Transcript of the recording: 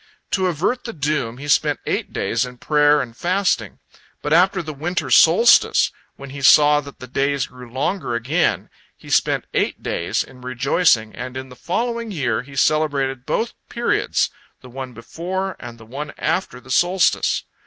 To avert the doom, he spent eight days in prayer and fasting. But after the winter solstice, when he saw that the days grew longer again, he spent eight days in rejoicing, and in the following year he celebrated both periods, the one before and the one after the solstice.